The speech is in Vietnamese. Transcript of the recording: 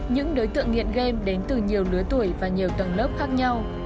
những đối tượng nghiện game đến từ nhiều lứa tuổi và nhiều tầng lớp khác nhau